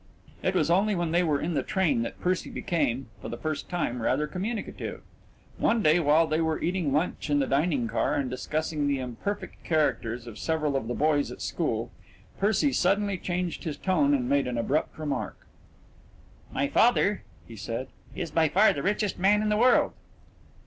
It was only when they were in the train that Percy became, for the first time, rather communicative. One day while they were eating lunch in the dining car and discussing the imperfect characters of several of the boys at school, Percy suddenly changed his tone and made an abrupt remark. "My father," he said, "is by far the richest man in the world."